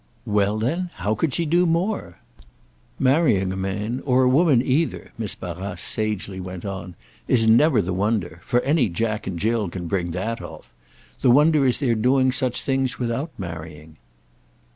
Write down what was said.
"Well then, how could she do more? Marrying a man, or woman either," Miss Barrace sagely went on, "is never the wonder for any Jack and Jill can bring that off. The wonder is their doing such things without marrying."